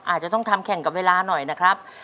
อาจจะต้องทำแข่งกับเวลาหน่อยนะครับ